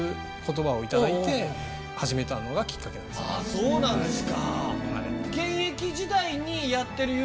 そうなんですか。